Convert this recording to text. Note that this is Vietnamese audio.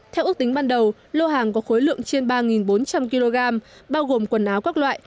theo ước tính ban đầu lô hàng có khối lượng trên ba bốn trăm linh kg bao gồm quần áo các loại